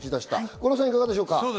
五郎さん、いかがでしょう？